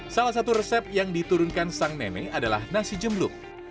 salah satu resep yang diturunkan sang nenek adalah nasi jembluk